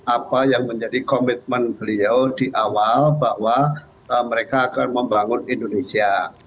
apa yang menjadi komitmen beliau di awal bahwa mereka akan membangun indonesia